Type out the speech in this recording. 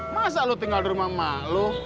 masa lo tinggal di rumah ma lo